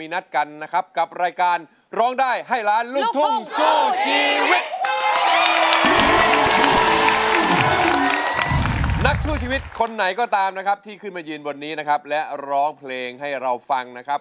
นักสู้ชีวิตคนไหนก็ตามนะครับที่ขึ้นมายืนบนนี้นะครับและร้องเพลงให้เราฟังนะครับ